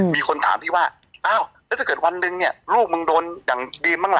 มีคนถามพี่ว่าอ้าวถ้าเกิดวันหนึ่งลูกมึงโดนอย่างดีมมั้งล่ะ